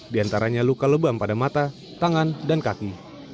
diantaranya luka lebam pada mata tangan dan kaki